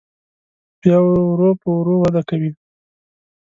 بیا ورو په ورو وده کوي.